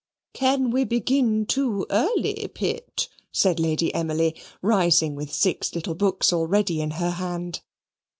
"Can we then begin too early, Pitt?" said Lady Emily, rising with six little books already in her hand.